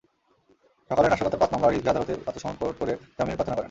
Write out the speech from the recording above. সকালে নাশকতার পাঁচ মামলায় রিজভী আদালতে আত্মসমর্পণ করে জামিনের প্রার্থনা করেন।